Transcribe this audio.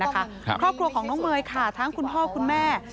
ครอบครัวของน้องเมย์ค่ะทั้งคุณพ่อคุณแม่